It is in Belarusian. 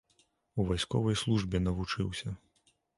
У вайсковай службе навучыўся.